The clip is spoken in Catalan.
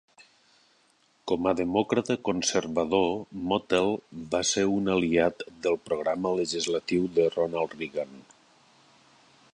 Com a demòcrata conservador, Mottl va ser un aliat del programa legislatiu de Ronald Reagan.